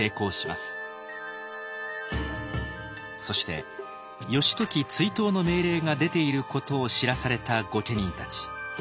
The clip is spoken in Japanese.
そして義時追討の命令が出ていることを知らされた御家人たち。